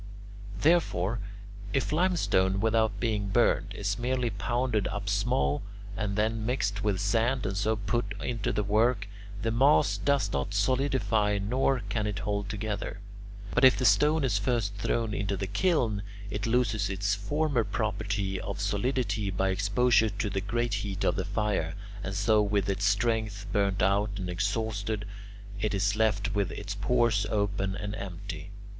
Therefore, if limestone, without being burned, is merely pounded up small and then mixed with sand and so put into the work, the mass does not solidify nor can it hold together. But if the stone is first thrown into the kiln, it loses its former property of solidity by exposure to the great heat of the fire, and so with its strength burnt out and exhausted it is left with its pores open and empty.